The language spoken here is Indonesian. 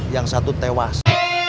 yang satu tewas